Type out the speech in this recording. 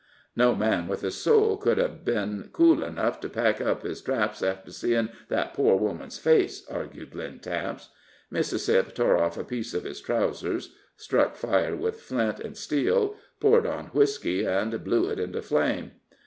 "No man with a soul could hev ben cool enough to pack up his traps after seein' that poor woman's face," argued Lynn Taps. Mississip tore off a piece of his trowsers, struck fire with flint and steel, poured on whisky, and blew it into a flame.